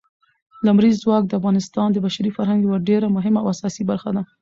لمریز ځواک د افغانستان د بشري فرهنګ یوه ډېره مهمه او اساسي برخه ده.